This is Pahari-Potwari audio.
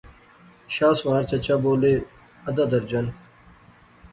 شاہ سوار چچا بولے، ادھا درجن